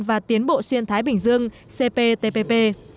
và tiến bộ xuyên thái bình dương cptpp